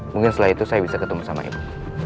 mungkin setelah itu saya bisa ketemu sama ibu